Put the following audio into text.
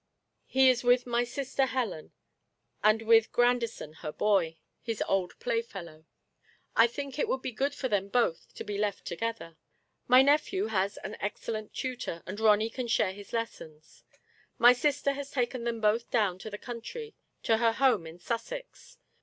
He is with my sister Helen, and with Grandison her boy, his old playfellow. I think it would be good for them both to be left together. My nephew has an excellent tutor, and Ronny can share his lessons. My sister has taken them both down to the country, to her home in Sussex.